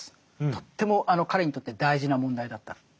とっても彼にとって大事な問題だった。